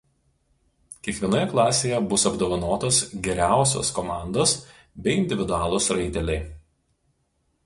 Kiekvienoje klasėje bus apdovanotos geriausios komandos bei individualūs raiteliai.